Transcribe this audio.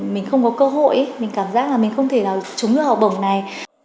mình không có cơ hội mình cảm giác là mình không thể nào trúng được học bổng này